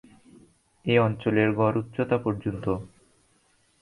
এ অঞ্চলের গড় উচ্চতা পর্যন্ত।